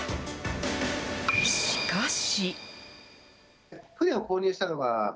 しかし。